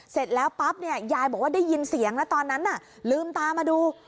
เสร็จแล้วปั๊บเนี่ยยายบอกว่าได้ยินเสียงแล้วตอนนั้นน่ะลืมตามาดู